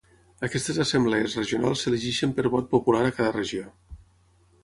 Aquestes assemblees regionals s'elegeixen per vot popular a cada regió.